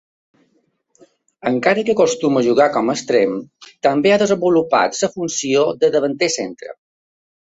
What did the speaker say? Encara que acostuma a jugar com extrem, també ha desenvolupat la funció de davanter centre.